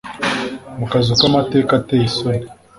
Mu kazu kamateka ateye isoni